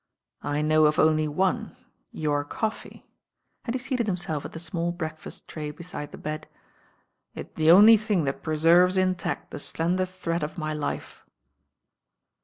I know of only one, your coffee," and he seated him self at the small breakfast tray beside the bed. "It's the only thing that preserves intact the slender thread of my life."